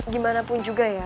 gimana pun juga ya